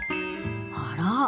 あら？